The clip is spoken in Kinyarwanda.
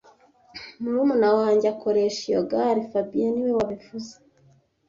Murumuna wanjye akoresha iyo gare fabien niwe wabivuze